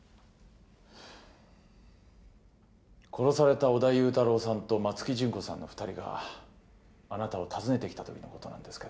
殺された小田雄太郎さんと松木順子さんの２人があなたを訪ねて来たときのことなんですけど。